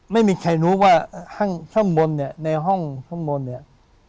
ไม่มีใครรู้ว่าห้องช่องบนเนี่ยในห้องช่องบนเนี่ย